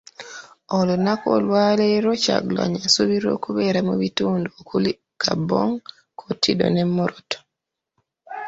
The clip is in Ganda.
Olunaku lwaleero Kyagulanyi asuubirwa okubeera mu bitundu okuli; Kaabong, Kotido ne Moroto .